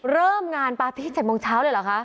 เริ่มงานประพิทธิเจ็ดโมงเช้าเลยเหรอคะ